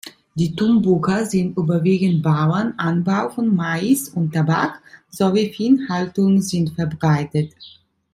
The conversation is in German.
Die Tumbuka sind überwiegend Bauern, Anbau von Mais und Tabak sowie Viehhaltung sind verbreitet.